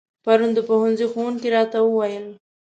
پرون د پوهنځي ښوونکي راته و ويل